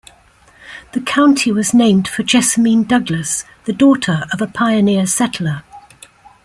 The county was named for Jessamine Douglass, the daughter of a pioneer settler.